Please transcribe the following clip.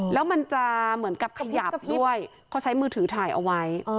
แล้วมันจะเหมือนกับขยับด้วยเขาใช้มือถือถ่ายเอาไว้